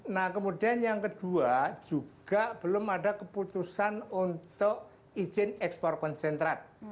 nah kemudian yang kedua juga belum ada keputusan untuk izin ekspor konsentrat